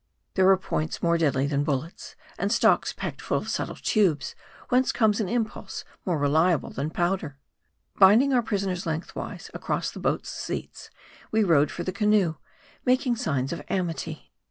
There are points more deadly than bullets ; and stocks packed full of subtle tubes, whence comes an impulse more reliable than powder. Binding our prisoners lengthwise across the boat's seats, we rowed for the canoe, making signs of amity.